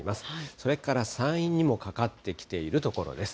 それから山陰にもかかってきているところです。